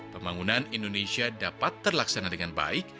pembangunan indonesia dapat terlaksana dengan baik